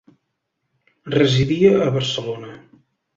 Residia a Barcelona.